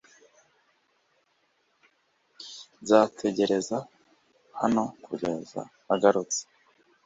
Nzategereza hano kugeza agarutse .